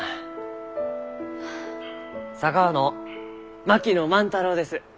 佐川の槙野万太郎です。